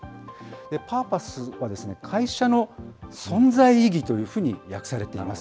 パーパスは、会社の存在意義というふうに訳されています。